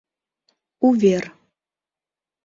Увер...